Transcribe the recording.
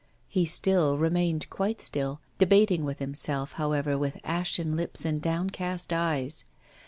He still remained quite still, debating with himself, however, with ashen lips and downcast eyes.